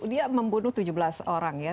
dia membunuh tujuh belas orang ya